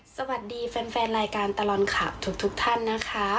สวัสดีแฟนรายการตลอดข่าวทุกท่านนะคะ